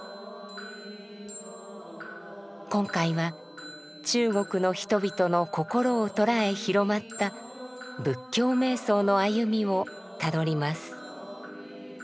今回は中国の人々の心をとらえ広まった仏教瞑想の歩みをたどります。